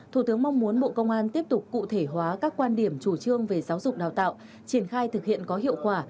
thủ tướng mong muốn bộ công an tiếp tục cụ thể hóa các quan điểm chủ trương về giáo dục đào tạo triển khai thực hiện có hiệu quả